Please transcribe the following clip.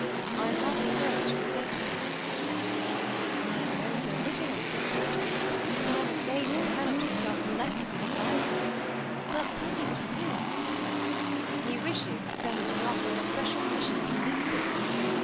I hardly know what you will say to it" ^ I know so little on those subjects, that I am afraid you cannot consult a less good adviser. But tell me what it is." '^ He wants to send me off on a special mission to Lisbon."